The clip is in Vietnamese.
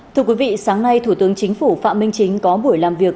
thưa quý vị sáng nay thủ tướng chính phủ phạm minh chính có buổi làm việc